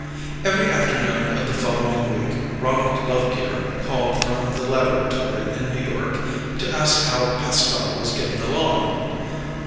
Every afternoon of the following week Ronald Lovegear called from the laboratory in New York to ask how Pascal was getting along.